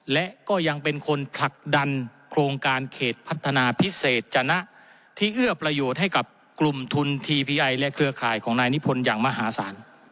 และก็ยังเป็นคนผลักดันโครงการเขตพัฒนาพิเศษจนะที่เอื้อประโยชน์ให้กับกลุ่มทุนทีพิไอและเครือข่ายของนายนิพนธ์อย่างมหาศาล